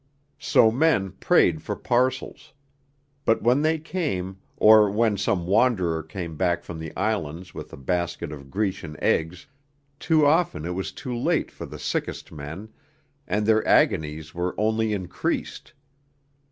So men prayed for parcels. But when they came, or when some wanderer came back from the Islands with a basket of Grecian eggs, too often it was too late for the sickest men, and their agonies were only increased.